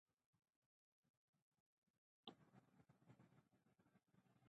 هغوی ته اذیت مه رسوئ.